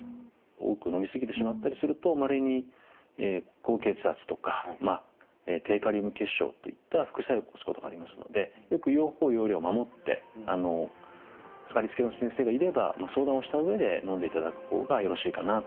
多くのみすぎてしまったりするとまれに高血圧とか低カリウム血症といった副作用を起こすことがありますのでよく用法用量を守ってかかりつけの先生がいれば相談をした上でのんでいただく方がよろしいかなと思います。